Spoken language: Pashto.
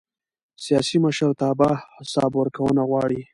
سیاسي مشرتابه حساب ورکونه غواړي